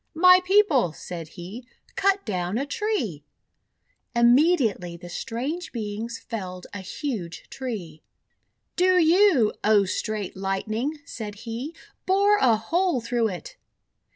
"My People," said he, "cut down a tree!" Immediately the strange Beings felled a huge tree. :<Do you, O Straight Lightning," said he, 'bore a hole through it!'